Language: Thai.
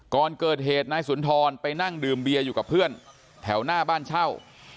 ก่อนเกิดเหตุนายสุนทรไปนั่งดื่มเบียอยู่กับเพื่อนแถวหน้าบ้านเช่า